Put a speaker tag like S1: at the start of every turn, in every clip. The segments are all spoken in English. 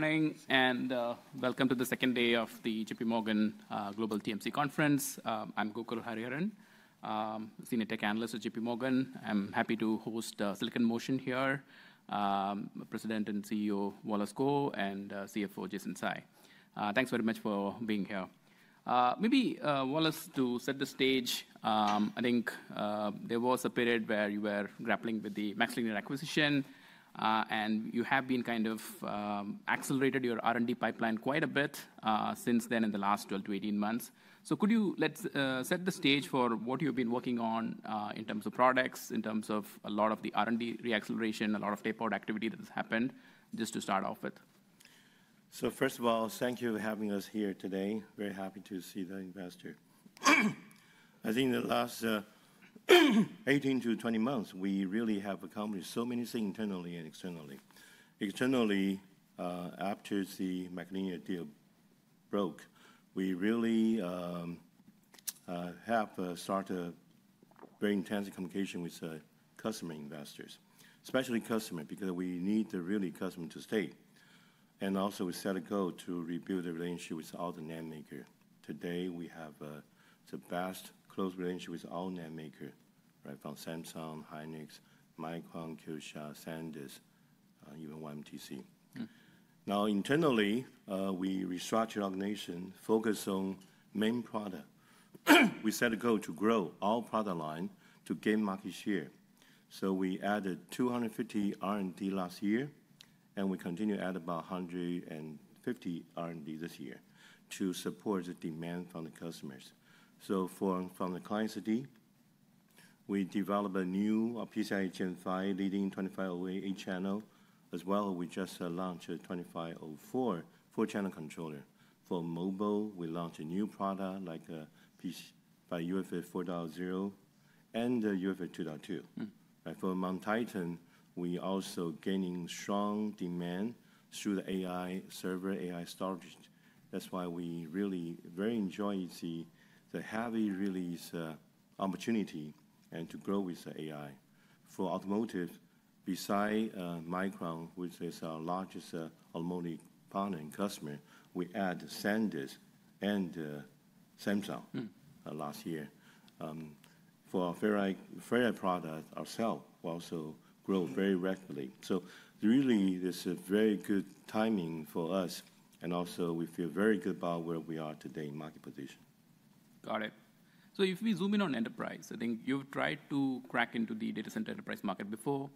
S1: Morning, and welcome to the second day of the JPMorgan Global TMC Conference. I'm Gokul Hariharan, Senior Tech Analyst at JPMorgan. I'm happy to host Silicon Motion here, President and CEO Wallace Kou, and CFO Jason Tsai. Thanks very much for being here. Maybe, Wallace, to set the stage, I think there was a period where you were grappling with the MaxLinear acquisition, and you have been kind of accelerating your R&D pipeline quite a bit since then in the last 12 to 18 months. Could you set the stage for what you've been working on in terms of products, in terms of a lot of the R&D re-acceleration, a lot of tape-out activity that has happened, just to start off with?
S2: First of all, thank you for having us here today. Very happy to see the investor. I think in the last 18 to 20 months, we really have accomplished so many things internally and externally. Externally, after the MaxLinear deal broke, we really have started very intense communication with customer investors, especially customers, because we need really customers to stay. Also, we set a goal to rebuild the relationship with all the NAND makers. Today, we have the best close relationship with all NAND makers, right from Samsung, SK Hynix, Micron, Kioxia, SanDisk, even YMTC. Now, internally, we restructured our organization, focused on main product. We set a goal to grow our product line to gain market share. We added 250 R&D last year, and we continue to add about 150 R&D this year to support the demand from the customers. From the client side, we developed a new PCIe Gen5 leading 2508 channel. As well, we just launched a 2504 four-channel controller. For mobile, we launched a new product like by UFS 4.0 and UFS 2.2. For MonTitan, we are also gaining strong demand through the AI server, AI storage. That is why we really very enjoy the heavy release opportunity and to grow with the AI. For automotive, besides Micron, which is our largest automotive partner and customer, we added SanDisk and Samsung last year. For our Ferri product ourselves, we also grow very rapidly. This is a very good timing for us. Also, we feel very good about where we are today in market position.
S1: Got it. If we zoom in on enterprise, I think you've tried to crack into the data center enterprise market before.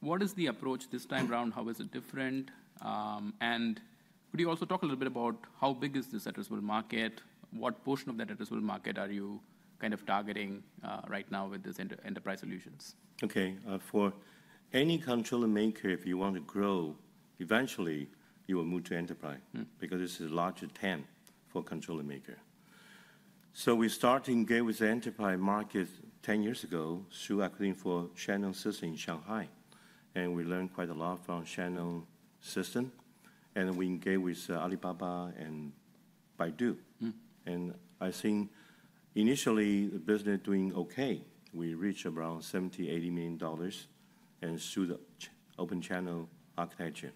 S1: What is the approach this time around? How is it different? Could you also talk a little bit about how big is this addressable market? What portion of that addressable market are you kind of targeting right now with these enterprise solutions?
S2: OK. For any controller maker, if you want to grow, eventually, you will move to enterprise, because this is a larger TAN for controller maker. We started to engage with the enterprise market 10 years ago through acquisition of Shannon Systems in Shanghai. We learned quite a lot from Shannon Systems. We engaged with Alibaba and Baidu. I think initially, the business is doing OK. We reached around $70-$80 million through the open channel architecture.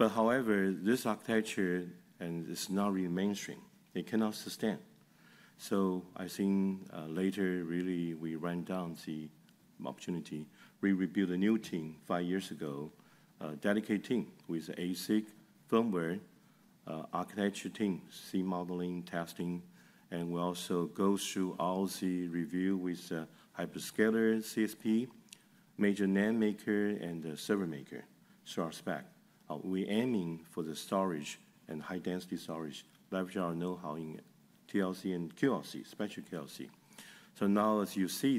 S2: However, this architecture is not really mainstream. It cannot sustain. I think later, really, we ran down the opportunity. We rebuilt a new team five years ago, a dedicated team with ASIC firmware, architecture teams, C modeling, testing. We also go through all the review with Hyperscaler, CSP, major NAND maker, and server maker through our spec. We're aiming for the storage and high-density storage, leveraging our know-how in TLC and QLC, special QLC. Now, as you see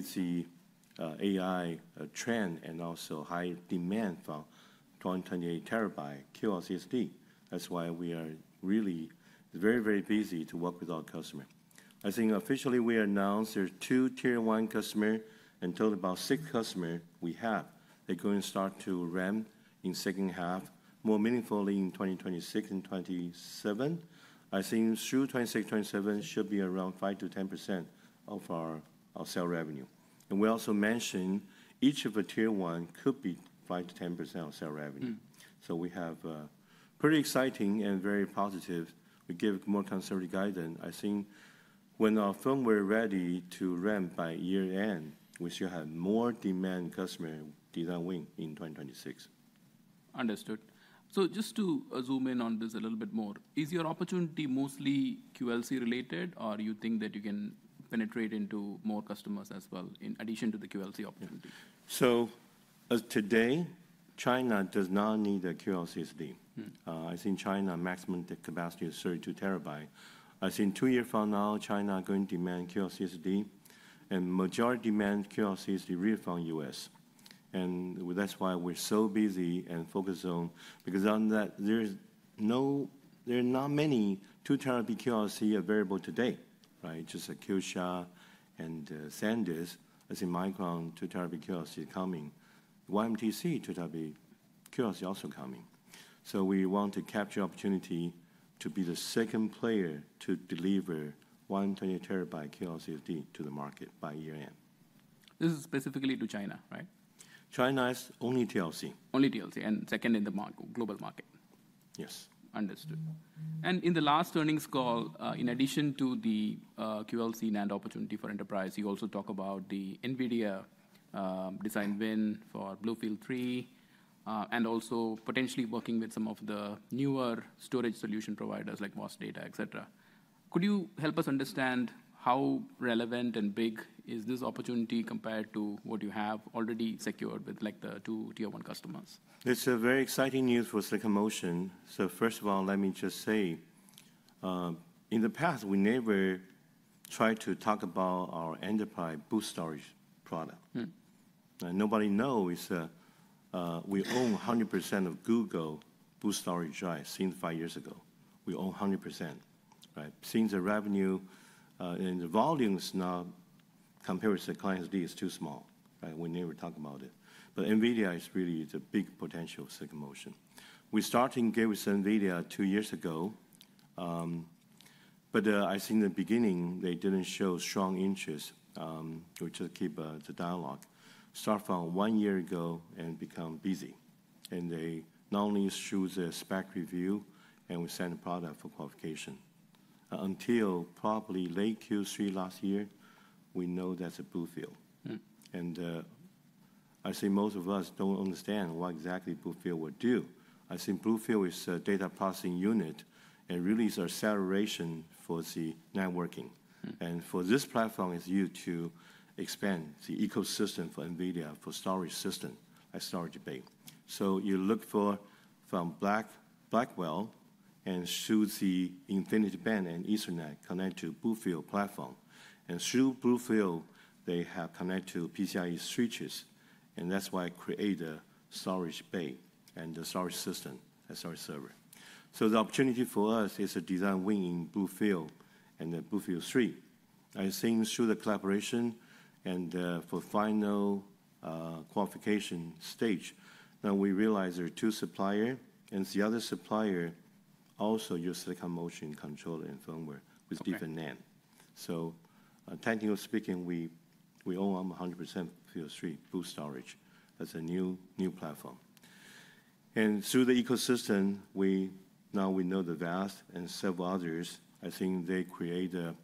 S2: the AI trend and also high demand for 2028 terabyte QLC SSD, that's why we are really very, very busy to work with our customers. I think officially, we announced there are two tier one customers and told about six customers we have. They're going to start to run in the second half more meaningfully in 2026 and 2027. I think through 2026, 2027, it should be around 5%-10% of our sales revenue. We also mentioned each of the tier one could be 5%-10% of sales revenue. We have pretty exciting and very positive. We give more conservative guidance. I think when our firmware is ready to run by year-end, we should have more demand customers that will win in 2026.
S1: Understood. Just to zoom in on this a little bit more, is your opportunity mostly QLC related, or do you think that you can penetrate into more customers as well in addition to the QLC opportunity?
S2: Today, China does not need a QLC SSD. I think China's maximum capacity is 32 TB. I think two years from now, China is going to demand QLC SSD. Majority demand for QLC SSD is really from the US. That is why we are so busy and focused on this, because there are not many 2 TB QLC available today, right? Just Kioxia and SanDisk. I think Micron 2 TB QLC is coming. YMTC 2 TB QLC is also coming. We want to capture the opportunity to be the second player to deliver 128 TB QLC SSD to the market by year-end.
S1: This is specifically to China, right?
S2: China is only TLC.
S1: Only TLC, and second in the global market?
S2: Yes.
S1: Understood. In the last earnings call, in addition to the QLC NAND opportunity for enterprise, you also talked about the NVIDIA design win for BlueField 3, and also potentially working with some of the newer storage solution providers like Vast Data, et cetera. Could you help us understand how relevant and big is this opportunity compared to what you have already secured with the two tier one customers?
S2: It's very exciting news for Silicon Motion. First of all, let me just say, in the past, we never tried to talk about our enterprise boot storage product. Nobody knows we own 100% of Google boot storage drives seen five years ago. We own 100%. Since the revenue and the volumes now compared to the client's need is too small, we never talked about it. NVIDIA is really the big potential of Silicon Motion. We started engaging with NVIDIA two years ago. I think in the beginning, they did not show strong interest to keep the dialogue. Starting from one year ago, it became busy. They not only issued the spec review, and we sent the product for qualification. Until probably late Q3 last year, we know that's a BlueField. I think most of us do not understand what exactly BlueField will do. I think BlueField is a data processing unit, and really is acceleration for the networking. For this platform, it is used to expand the ecosystem for NVIDIA for storage system as storage bay. You look from Blackwell and through the InfiniBand and Ethernet connect to BlueField platform. Through BlueField, they have connected to PCIe switches. That is why it created a storage bay and the storage system as storage server. The opportunity for us is a design win in BlueField and the BlueField 3. I think through the collaboration and for final qualification stage, now we realize there are two suppliers. The other supplier also uses Silicon Motion controller and firmware with different NAND. Technically speaking, we own 100% of the PL3 boot storage. That is a new platform. Through the ecosystem, now we know the VAST and several others. I think they created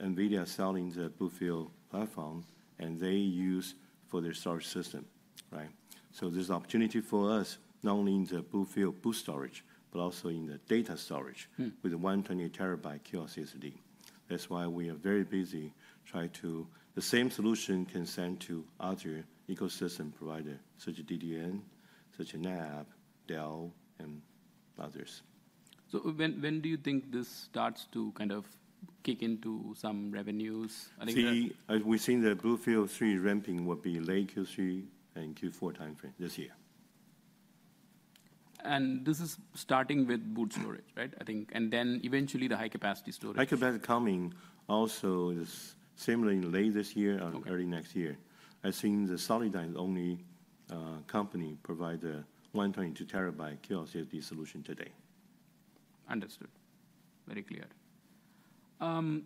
S2: NVIDIA selling the BlueField platform, and they use for their storage system. There is opportunity for us not only in the BlueField boot storage, but also in the data storage with 128 TB QLC SSD. That is why we are very busy trying to the same solution can send to other ecosystem providers, such as DDN, such as NetApp, Dell, and others.
S1: When do you think this starts to kind of kick into some revenues?
S2: We think the BlueField 3 ramping will be late Q3 and Q4 time frame this year.
S1: This is starting with boot storage, right? I think. And then eventually the high-capacity storage?
S2: High-capacity coming also is similarly late this year or early next year. I think the Solidigm only company provides a 122 TB QLC SSD solution today.
S1: Understood. Very clear. All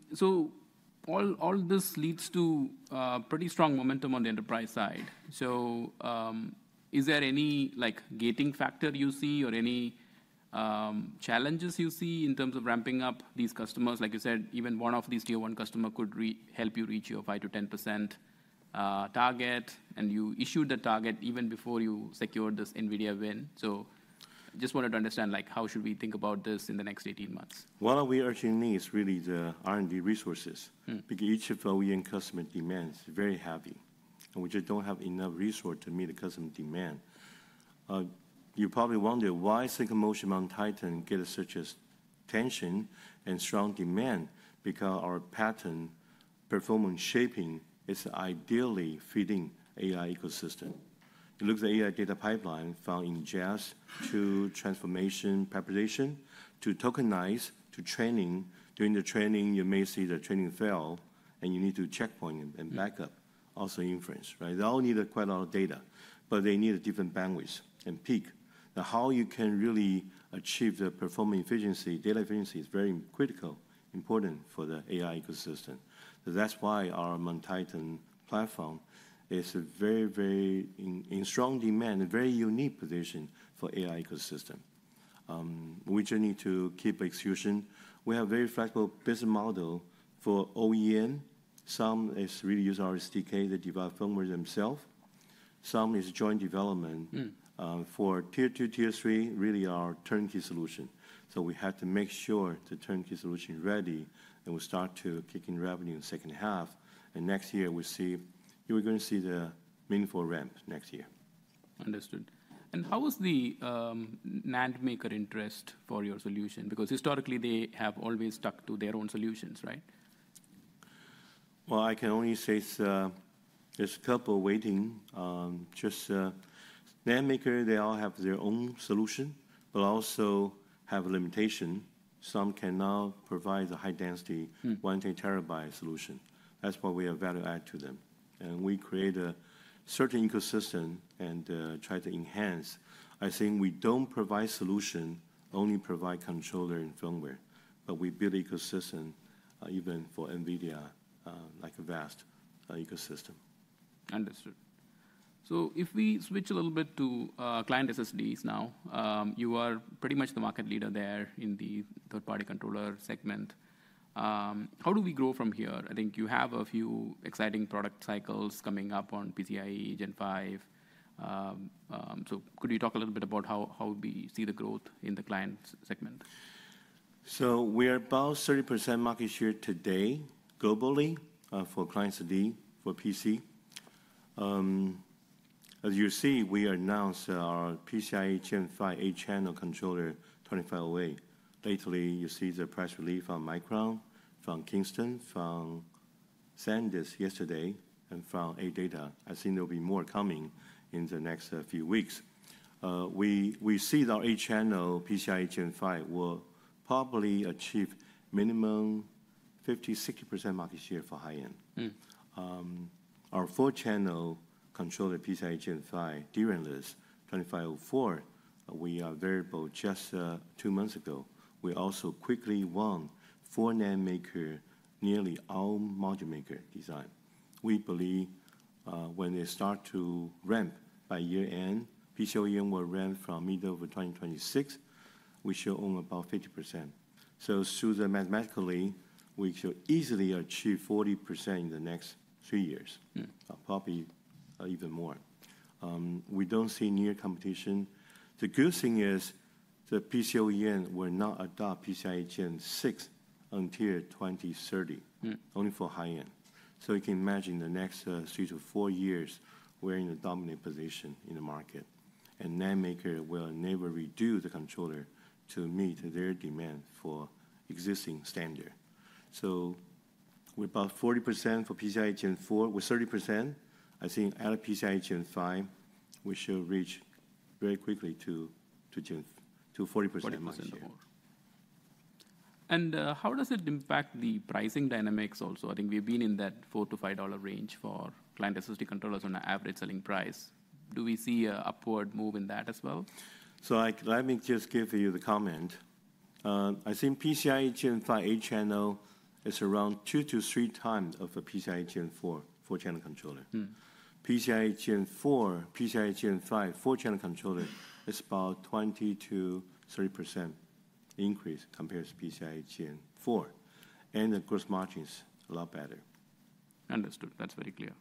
S1: this leads to pretty strong momentum on the enterprise side. Is there any gating factor you see or any challenges you see in terms of ramping up these customers? Like you said, even one of these tier one customers could help you reach your 5%-10% target. You issued the target even before you secured this NVIDIA win. I just wanted to understand how should we think about this in the next 18 months?
S2: What we actually need is really the R&D resources, because each of our end customer demands is very heavy. We just do not have enough resources to meet the customer demand. You probably wonder why Silicon Motion MonTitan gets such attention and strong demand, because our pattern performance shaping is ideally fitting AI ecosystem. It looks at AI data pipeline found in ingest to transformation preparation to tokenize to training. During the training, you may see the training fail, and you need to checkpoint and backup, also inference. They all need quite a lot of data, but they need different bandwidths and peak. Now, how you can really achieve the performance efficiency, data efficiency is very critical, important for the AI ecosystem. That is why our MonTitan platform is very, very in strong demand, very unique position for AI ecosystem. We just need to keep execution. We have a very flexible business model for OEM. Some is really using RSDK to develop firmware themselves. Some is joint development. For tier two, tier three, really our turnkey solution. We have to make sure the turnkey solution is ready, and we start to kick in revenue in the second half. Next year, we're going to see the meaningful ramp next year.
S1: Understood. How was the NAND maker interest for your solution? Because historically, they have always stuck to their own solutions, right?
S2: I can only say there's a couple waiting. Just NAND maker, they all have their own solution, but also have a limitation. Some cannot provide the high-density 128 TB solution. That's what we have value add to them. We create a certain ecosystem and try to enhance. I think we don't provide solution, only provide controller and firmware. We build ecosystem even for NVIDIA, like a VAST ecosystem.
S1: Understood. If we switch a little bit to client SSDs now, you are pretty much the market leader there in the third-party controller segment. How do we grow from here? I think you have a few exciting product cycles coming up on PCIe Gen5. Could you talk a little bit about how we see the growth in the client segment?
S2: We are about 30% market share today globally for client SSD for PC. As you see, we announced our PCIe Gen5 eight-channel controller 2508. Lately, you see the price relief from Micron, from Kingston, from SanDisk yesterday, and from AData. I think there will be more coming in the next few weeks. We see our eight-channel PCIe Gen5 will probably achieve minimum 50%-60% market share for high-end. Our four-channel controller PCIe Gen5 DRAM-less 2504, we are available just two months ago. We also quickly won four NAND maker, nearly all module maker design. We believe when they start to ramp by year-end, PCIe will ramp from middle of 2026. We should own about 50%. Through the mathematically, we should easily achieve 40% in the next three years, probably even more. We do not see near competition. The good thing is the PCIe end will not adopt PCIe Gen6 until 2030, only for high-end. You can imagine the next three to four years we're in a dominant position in the market. NAND maker will never reduce the controller to meet their demand for existing standard. We're about 40% for PCIe Gen4. With 30%, I think out of PCIe Gen5, we should reach very quickly to 40% market share.
S1: How does it impact the pricing dynamics also? I think we've been in that $4-$5 range for client SSD controllers on an average selling price. Do we see an upward move in that as well?
S2: Let me just give you the comment. I think PCIe Gen5 eight-channel is around two to three times of a PCIe Gen4 four-channel controller. PCIe Gen4, PCIe Gen5 four-channel controller is about 20%-30% increase compared to PCIe Gen4. The gross margins are a lot better.
S1: Understood. That's very clear.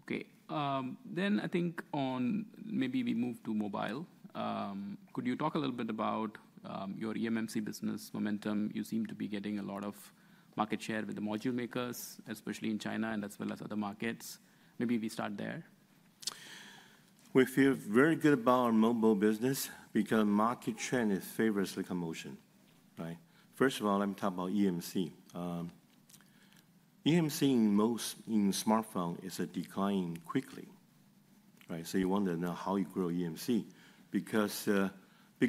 S1: OK. I think maybe we move to mobile. Could you talk a little bit about your eMMC business momentum? You seem to be getting a lot of market share with the module makers, especially in China as well as other markets. Maybe we start there?
S2: We feel very good about our mobile business because market trend is favored Silicon Motion. First of all, let me talk about eMMC. eMMC in most smartphones is declining quickly. You want to know how you grow eMMC. Because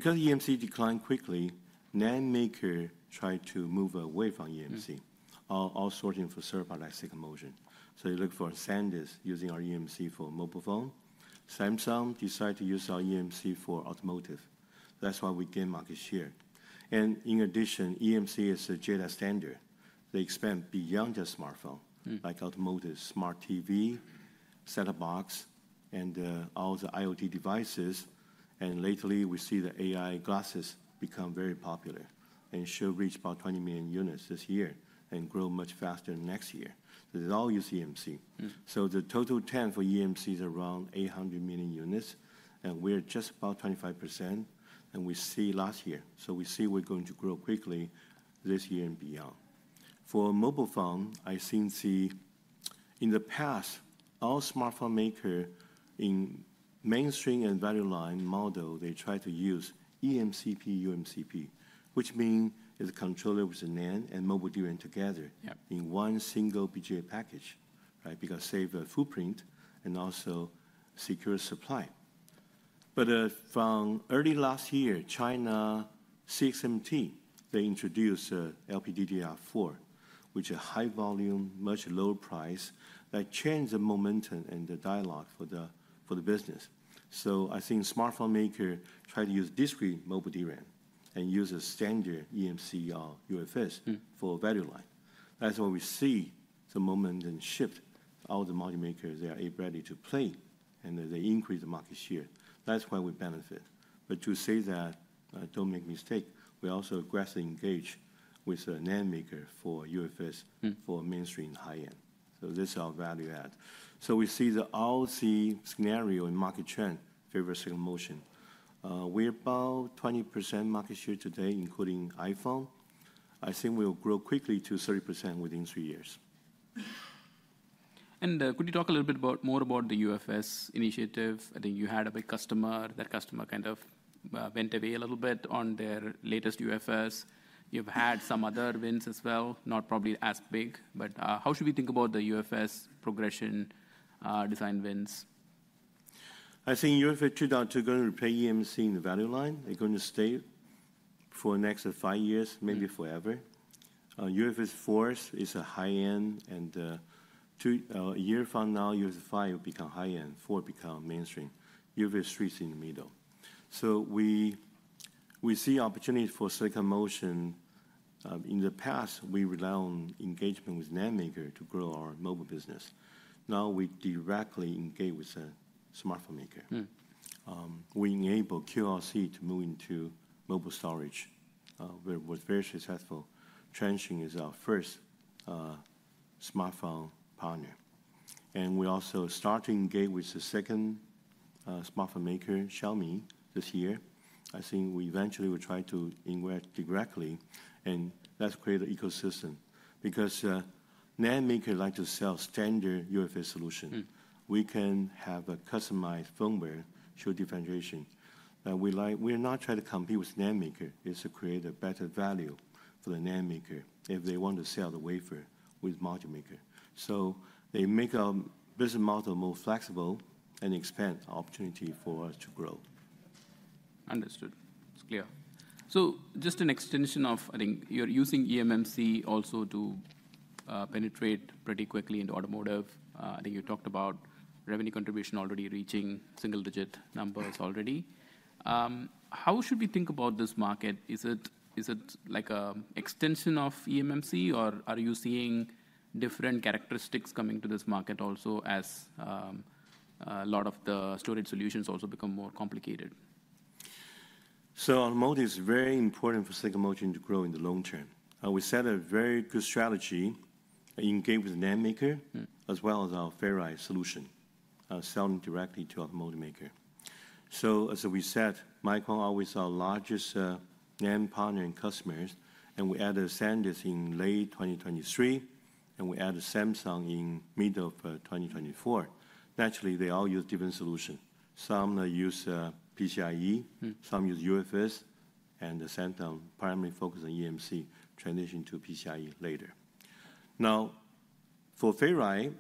S2: eMMC declined quickly, NAND maker tried to move away from eMMC, all sorting for server by like Silicon Motion. They look for SanDisk using our eMMC for mobile phone. Samsung decided to use our eMMC for automotive. That is why we gained market share. In addition, eMMC is a JEDEC standard. They expand beyond just smartphone, like automotive, smart TV, set-top box, and all the IoT devices. Lately, we see the AI glasses become very popular and should reach about 20 million units this year and grow much faster next year. They all use eMMC. The total trend for eMMC is around 800 million units. We're just about 25%. We see last year. We see we're going to grow quickly this year and beyond. For mobile phone, I think in the past, all smartphone maker in mainstream and value line model, they try to use EMCP/UMCP, which means it's a controller with a NAND and mobile DRAM together in one single PGA package, because it saves the footprint and also secures supply. From early last year, China CXMT introduced LPDDR4, which is a high volume, much lower price that changed the momentum and the dialogue for the business. I think smartphone maker tried to use discrete mobile DRAM and use a standard eMMC or UFS for value line. That's why we see the momentum shift. All the module makers, they are ready to play. They increase the market share. That's why we benefit. To say that, don't make a mistake, we also aggressively engage with NAND maker for UFS for mainstream high-end. This is our value add. We see the all-see scenario in market trend favor Silicon Motion. We're about 20% market share today, including iPhone. I think we'll grow quickly to 30% within three years.
S1: Could you talk a little bit more about the UFS initiative? I think you had a big customer. That customer kind of went away a little bit on their latest UFS. You have had some other wins as well, not probably as big. How should we think about the UFS progression design wins?
S2: I think UFS 2.0 is going to play eMMC in the value line. They're going to stay for the next five years, maybe forever. UFS 4 is a high-end. A year from now, UFS 5 will become high-end. Four will become mainstream. UFS 3 is in the middle. We see opportunities for Silicon Motion. In the past, we relied on engagement with NAND maker to grow our mobile business. Now we directly engage with a smartphone maker. We enable QLC to move into mobile storage. We were very successful. Transsion is our first smartphone partner. We also start to engage with the second smartphone maker, Xiaomi, this year. I think we eventually will try to engage directly. Let's create an ecosystem. Because NAND maker likes to sell standard UFS solution. We can have a customized firmware show differentiation. We are not trying to compete with NAND maker. It's to create a better value for the NAND maker if they want to sell the wafer with module maker. They make our business model more flexible and expand opportunity for us to grow.
S1: Understood. It's clear. Just an extension of, I think you're using eMMC also to penetrate pretty quickly into automotive. I think you talked about revenue contribution already reaching single-digit numbers already. How should we think about this market? Is it like an extension of eMMC? Or are you seeing different characteristics coming to this market also as a lot of the storage solutions also become more complicated?
S2: Automotive is very important for Silicon Motion to grow in the long term. We set a very good strategy, engage with NAND maker, as well as our Ferri solution, selling directly to automotive maker. As we said, Micron always our largest NAND partner and customers. We added SanDisk in late 2023. We added Samsung in mid 2024. Naturally, they all use different solutions. Some use PCIe. Some use UFS. Samsung primarily focused on eMMC, transitioning to PCIe later. Now, for Ferri,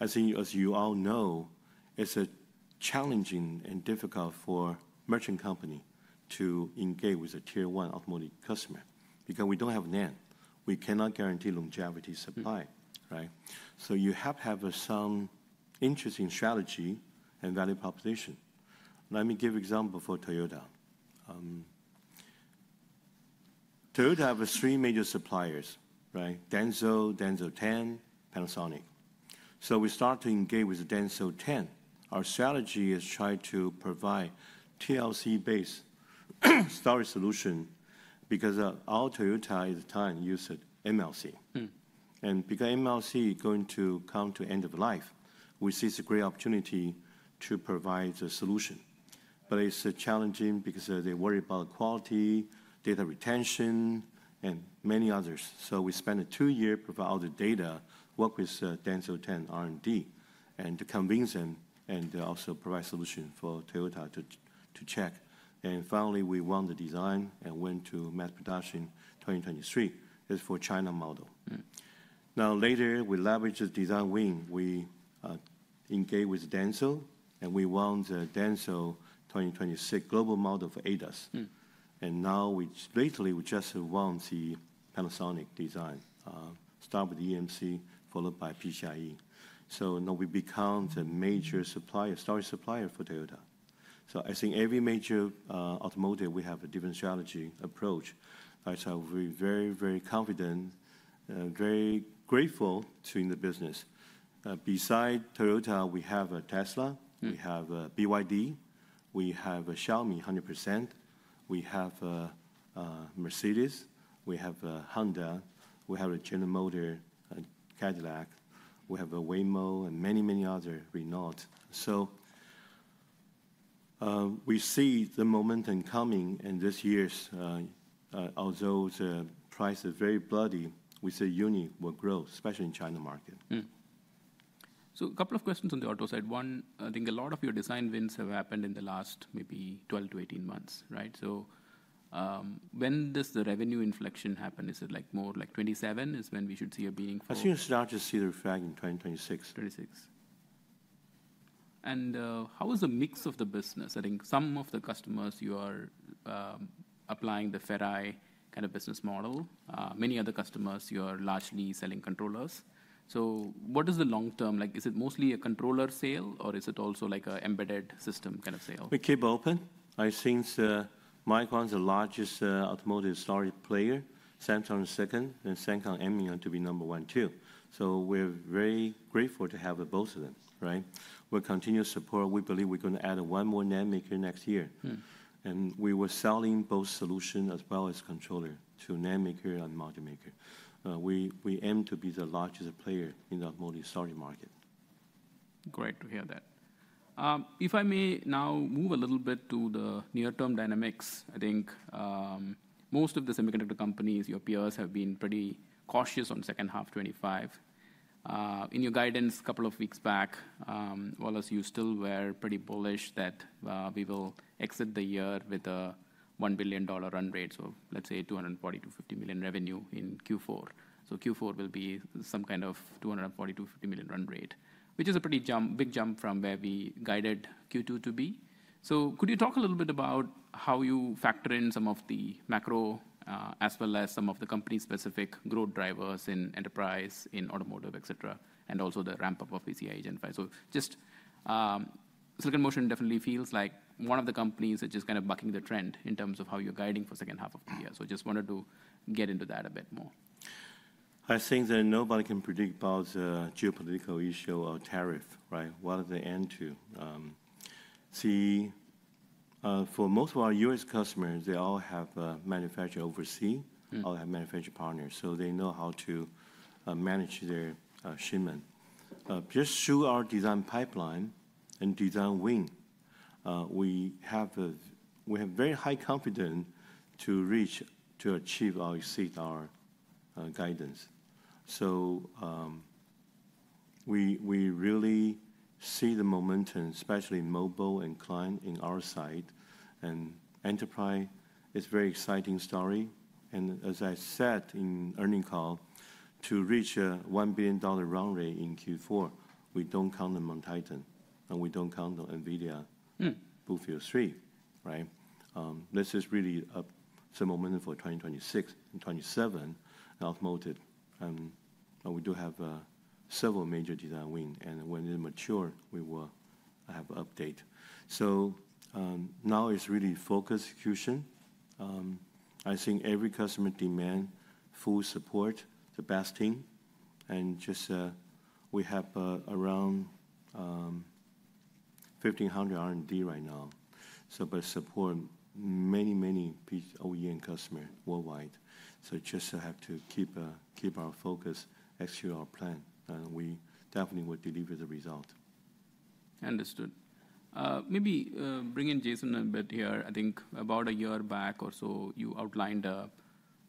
S2: as you all know, it's challenging and difficult for a merchant company to engage with a tier one automotive customer, because we don't have NAND. We cannot guarantee longevity supply. You have to have some interesting strategy and value proposition. Let me give you an example for Toyota. Toyota has three major suppliers: Denso, Denso 10, Panasonic. We start to engage with Denso 10. Our strategy is to try to provide TLC-based storage solution, because all Toyota at the time used MLC. And because MLC is going to come to end of life, we see it's a great opportunity to provide the solution. But it's challenging because they worry about quality, data retention, and many others. We spent two years providing all the data, worked with Denso 10 R&D, and convinced them and also provided solutions for Toyota to check. Finally, we won the design and went to mass production 2023. It's for China model. Now, later, we leveraged the design win. We engaged with Denso. We won the Denso 2026 global model for ADAS. Now, lately, we just won the Panasonic design. Start with eMMC, followed by PCIe. Now we become the major storage supplier for Toyota. I think every major automotive, we have a different strategy approach. We are very, very confident, very grateful to the business. Besides Toyota, we have Tesla. We have BYD. We have Xiaomi 100%. We have Mercedes. We have Honda. We have General Motors, Cadillac. We have Waymo and many, many others, Renault. We see the momentum coming. This year, although the price is very bloody, we see unit will grow, especially in China market.
S1: A couple of questions on the auto side. One, I think a lot of your design wins have happened in the last maybe 12 to 18 months. When does the revenue inflection happen? Is it more like 2027 is when we should see a beam?
S2: I think we should start to see the reflection in 2026.
S1: Twenty-six. And how is the mix of the business? I think some of the customers, you are applying the Ferri kind of business model. Many other customers, you are largely selling controllers. So what is the long term? Is it mostly a controller sale? Or is it also like an embedded system kind of sale?
S2: We keep open. I think Micron is the largest automotive storage player. Samsung is second. Samsung is aiming to be number one too. We are very grateful to have both of them. We are continuing support. We believe we are going to add one more NAND maker next year. We were selling both solution as well as controller to NAND maker and module maker. We aim to be the largest player in the automotive storage market.
S1: Great to hear that. If I may now move a little bit to the near-term dynamics. I think most of the semiconductor companies, your peers, have been pretty cautious on second half 2025. In your guidance a couple of weeks back, Wallace, you still were pretty bullish that we will exit the year with a $1 billion run rate. Let's say $240-$250 million revenue in Q4. Q4 will be some kind of $240-$250 million run rate, which is a pretty big jump from where we guided Q2 to be. Could you talk a little bit about how you factor in some of the macro as well as some of the company-specific growth drivers in enterprise, in automotive, et cetera, and also the ramp-up of PCIe Gen5? Silicon Motion definitely feels like one of the companies that's just kind of bucking the trend in terms of how you're guiding for the second half of the year. I just wanted to get into that a bit more?
S2: I think that nobody can predict about the geopolitical issue or tariff, what it will end to. See, for most of our U.S. customers, they all have manufacturers overseas. All have manufacturing partners. They know how to manage their shipment. Just through our design pipeline and design win, we have very high confidence to reach, to achieve, or exceed our guidance. We really see the momentum, especially mobile and client in our side. Enterprise, it's a very exciting story. As I said in the earnings call, to reach a $1 billion run rate in Q4, we do not count on MonTitan. We do not count on NVIDIA BlueField 3. This is really a momentum for 2026 and 2027 automotive. We do have several major design wins. When they mature, we will have an update. Now it's really focused execution. I think every customer demands full support, the best team. We have around 1,500 R&D right now. By support, many, many OEM customers worldwide. We just have to keep our focus, execute our plan. We definitely will deliver the result.
S1: Understood. Maybe bring in Jason a bit here. I think about a year back or so, you outlined a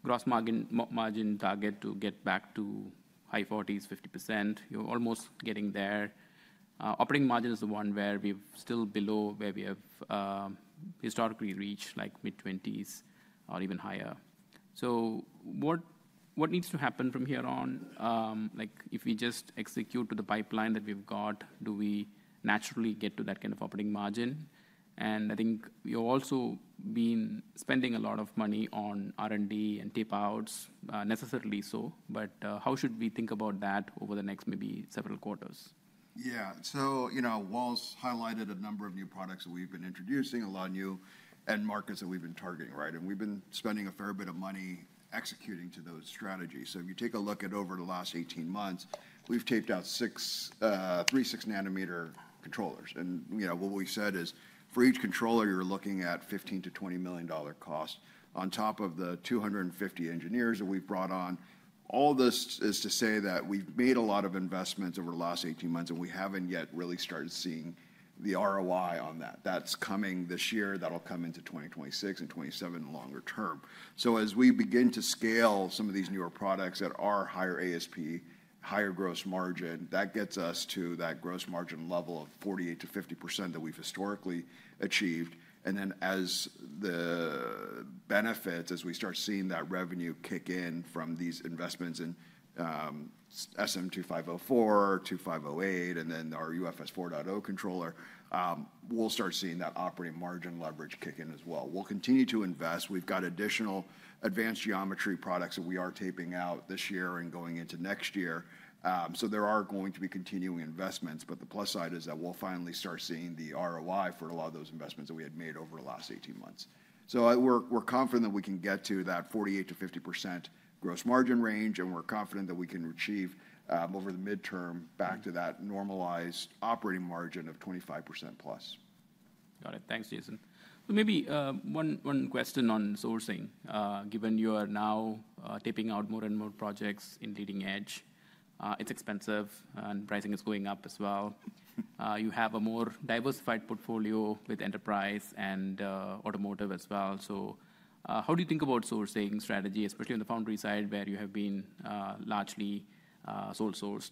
S1: gross margin target to get back to high 40s, 50%. You're almost getting there. Operating margin is the one where we're still below where we have historically reached, like mid-20s or even higher. What needs to happen from here on? If we just execute to the pipeline that we've got, do we naturally get to that kind of operating margin? I think you've also been spending a lot of money on R&D and tape outs, necessarily so. How should we think about that over the next maybe several quarters?
S3: Yeah. Wallace highlighted a number of new products that we've been introducing, a lot of new end markets that we've been targeting. We've been spending a fair bit of money executing to those strategies. If you take a look at over the last 18 months, we've taped out three six-nanometer controllers. What we said is for each controller, you're looking at $15 million-$20 million cost. On top of the 250 engineers that we've brought on, all this is to say that we've made a lot of investments over the last 18 months. We haven't yet really started seeing the ROI on that. That's coming this year. That'll come into 2026 and 2027 longer term. As we begin to scale some of these newer products that are higher ASP, higher gross margin, that gets us to that gross margin level of 48%-50% that we've historically achieved. As the benefits, as we start seeing that revenue kick in from these investments in SM2504, 2508, and then our UFS 4.0 controller, we'll start seeing that operating margin leverage kick in as well. We'll continue to invest. We've got additional advanced geometry products that we are taping out this year and going into next year. There are going to be continuing investments. The plus side is that we'll finally start seeing the ROI for a lot of those investments that we had made over the last 18 months. We're confident that we can get to that 48%-50% gross margin range. We're confident that we can achieve over the midterm back to that normalized operating margin of 25% plus.
S1: Got it. Thanks, Jason. Maybe one question on sourcing. Given you are now taping out more and more projects in leading edge, it's expensive. And pricing is going up as well. You have a more diversified portfolio with enterprise and automotive as well. How do you think about sourcing strategy, especially on the foundry side, where you have been largely sole-sourced?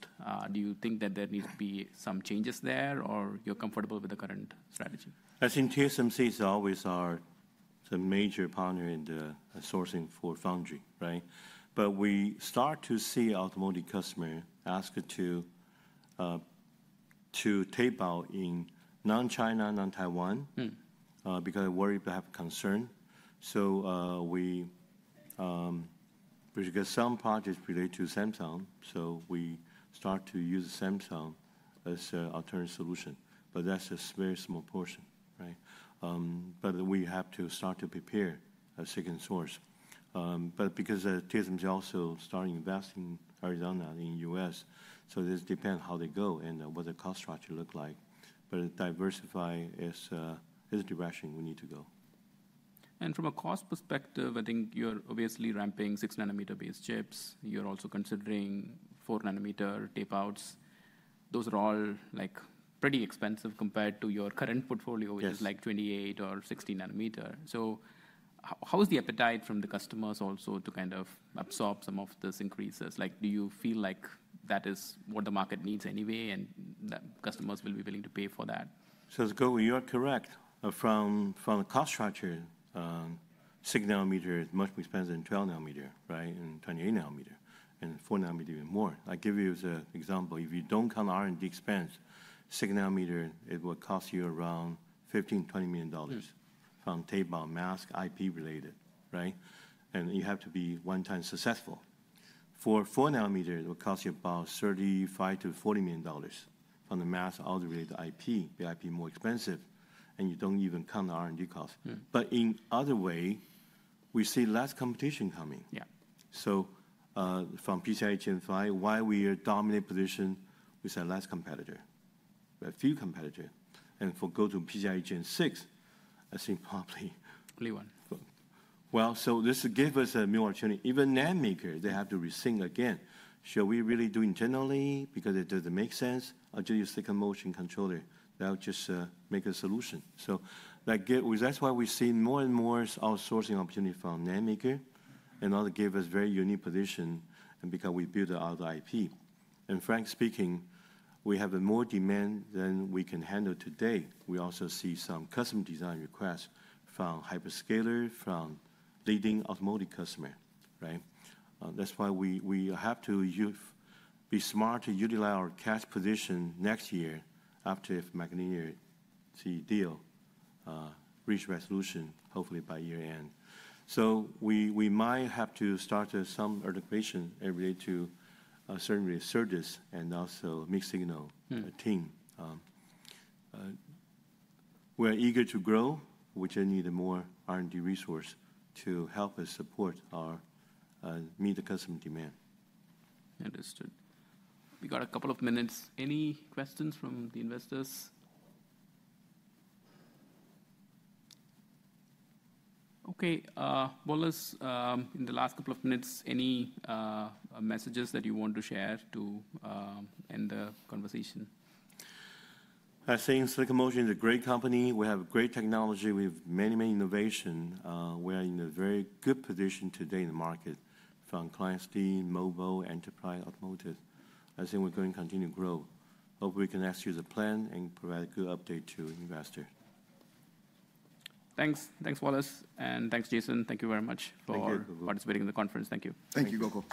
S1: Do you think that there needs to be some changes there? Or you're comfortable with the current strategy?
S2: I think TSMC is always our major partner in the sourcing for foundry. We start to see automotive customers ask to tape out in non-China, non-Taiwan, because they worry, they have a concern. We get some projects related to Samsung. We start to use Samsung as an alternative solution. That is a very small portion. We have to start to prepare a second source. TSMC also started investing in Arizona and in the U.S., so this depends how they go and what the cost structure looks like. Diversify is the direction we need to go.
S1: From a cost perspective, I think you're obviously ramping six-nanometer-based chips. You're also considering four-nanometer tape outs. Those are all pretty expensive compared to your current portfolio, which is like 28 or 60 nanometer. How is the appetite from the customers also to kind of absorb some of those increases? Do you feel like that is what the market needs anyway? Customers will be willing to pay for that?
S2: You are correct. From a cost structure, six-nanometer is much more expensive than 12-nanometer and 28-nanometer, and four-nanometer even more. I give you as an example, if you do not count R&D expense, six-nanometer will cost you around $15-$20 million from tape-out, mask, IP-related. You have to be one time successful. For four-nanometer, it will cost you about $35-$40 million from the mask, all the related IP. The IP is more expensive. You do not even count the R&D cost. In other ways, we see less competition coming. From PCIe Gen5, while we are in a dominant position, we have less competitor. We have few competitors. If we go to PCIe Gen6, I think probably.
S1: Early one.
S2: This gives us a new opportunity. Even NAND makers, they have to rethink again. Should we really do internally because it does not make sense? Or do you stick on motion controller? That will just make a solution. That is why we see more and more outsourcing opportunities from NAND makers. That will give us a very unique position because we build out the IP. Frankly speaking, we have more demand than we can handle today. We also see some custom design requests from hyperscalers, from leading automotive customers. That is why we have to be smart to utilize our cash position next year after the MaxLinear deal reaches resolution, hopefully by year end. We might have to start some articulation related to certain researchers and also mixed signal team. We are eager to grow. We just need more R&D resources to help us support our meet the customer demand.
S1: Understood. We've got a couple of minutes. Any questions from the investors? OK. Wallace, in the last couple of minutes, any messages that you want to share to end the conversation?
S2: I think Silicon Motion is a great company. We have great technology. We have many, many innovations. We are in a very good position today in the market from clients being mobile, enterprise, automotive. I think we're going to continue to grow. Hopefully, we can execute the plan and provide a good update to investors.
S1: Thanks. Thanks, Wallace. Thanks, Jason. Thank you very much for participating in the conference. Thank you.
S3: Thank you, Gokul.